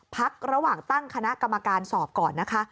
พักระหว่างตั้งคณะกรรมการสอบก่อนนะคะ